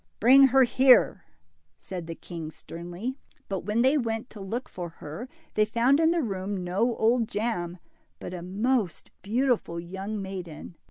Bring her here !" said the king, sternly. But when they went to look for her, they found in the room no Old Jam, but a most beautiful young maiden.